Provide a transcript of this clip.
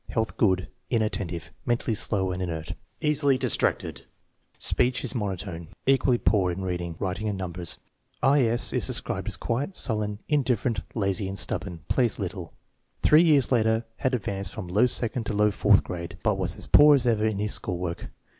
Health good. Inattentive, mentally slow and inert, easily distracted, speech is monotone. Equally poor in reading, writing, and numbers. I. S. is described as quiet, sullen, indifferent, lazy, and stubborn. Plays little. Throe years later had advanced from low second to low fourth grade, but was as poor as ever in his school work.